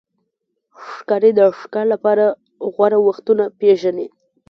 ښکاري د ښکار لپاره غوره وختونه پېژني.